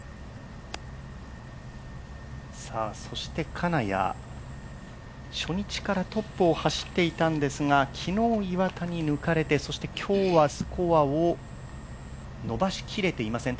そして金谷、初日からトップを走っていたんですが昨日、岩田に抜かれてそして今日はスコアを伸ばし切れていません。